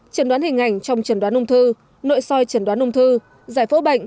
trần đoán hình ảnh trong chẩn đoán ung thư nội soi trần đoán ung thư giải phẫu bệnh